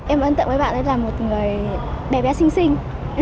em ấn tượng với bạn ấy là một người bé bé xinh xinh